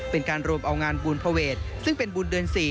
เป็นการรวมเอางานบุญภเวทซึ่งเป็นบุญเดือน๔